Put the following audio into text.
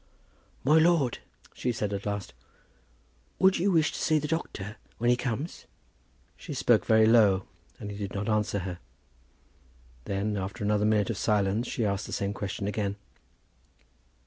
"My lord," she said at last, "would you wish to see the doctor when he comes?" She spoke very low and he did not answer her. Then, after another minute of silence, she asked the same question again.